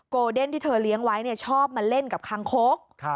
เดนที่เธอเลี้ยงไว้ชอบมาเล่นกับคางคก